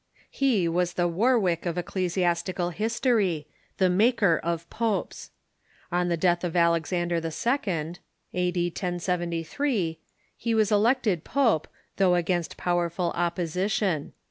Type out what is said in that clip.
He was the "Warwick of ecclesiastical history — the maker of popes. On the death of Alexander II. (a.d. 1073) he was elected pope, though against powerful opposition.